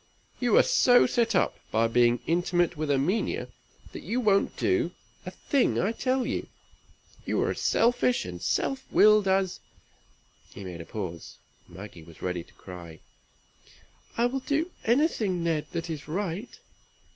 "You are so set up, by being intimate with Erminia, that you won't do a thing I tell you; you are as selfish and self willed as" he made a pause. Maggie was ready to cry. "I will do anything, Ned, that is right."